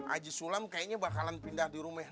aji sulam kayaknya bakalan pindah di rumah